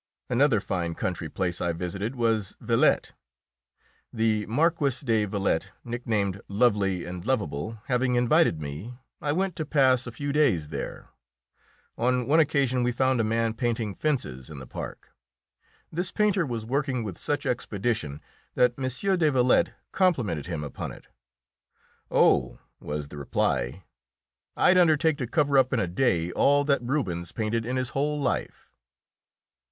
Another fine country place I visited was Villette. The Marquise de Villette, nicknamed Lovely and Lovable, having invited me, I went to pass a few days there. On one occasion we found a man painting fences in the park. This painter was working with such expedition that M. de Villette complimented him upon it. "Oh!" was the reply, "I'd undertake to cover up in a day all that Rubens painted in his whole life!"